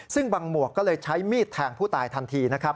ซึ่งบังหมวกก็เลยใช้มีดแทงผู้ตายทันทีนะครับ